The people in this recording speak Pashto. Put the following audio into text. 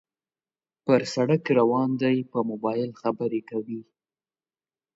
پر سړک روان دى په موبایل خبرې کوي